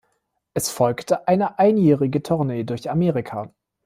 Es folgte eine einjährige Tournee durch Amerika.